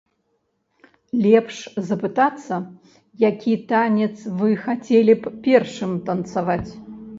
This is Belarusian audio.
Лепш запытацца, які танец вы хацелі б першым танцаваць.